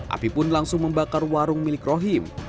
api pun langsung membakar warung milik rohim